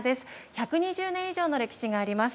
１２０年以上の歴史があります。